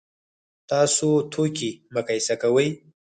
تاسو توکي مقایسه کوئ؟